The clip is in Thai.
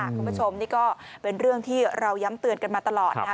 คุณผู้ชมนี่ก็เป็นเรื่องที่เราย้ำเตือนกันมาตลอดนะคะ